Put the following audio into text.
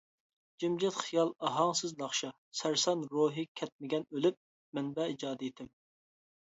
جىمجىت خىيال ئاھاڭسىز ناخشا، سەرسان روھى كەتمىگەن ئۆلۈپ. مەنبە:ئىجادىيىتىم.